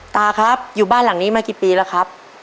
ตาครับอยู่บ้านหลังนี้มากี่ปีแล้วครับ